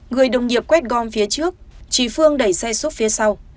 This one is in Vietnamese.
người đồng nghiệp quét gom phía trước chỉ phương đẩy xe xúc phía sau